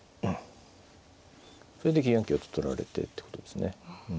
それで９四香と取られてってことですね。